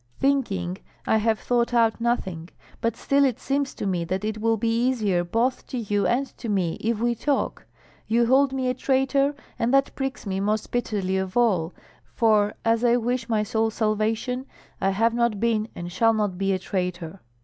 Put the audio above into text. Thinking, I have thought out nothing; but still it seems to me that it will be easier both to you and to me if we talk. You hold me a traitor, and that pricks me most bitterly of all, for as I wish my soul's salvation, I have not been and shall not be a traitor."